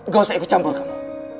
gak usah ikut campur kamu